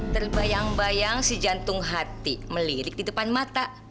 terbayang bayang si jantung hati melirik di depan mata